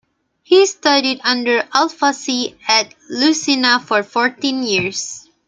He studied under Alfasi at Lucena for fourteen years.